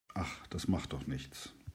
Ach, das macht doch nichts.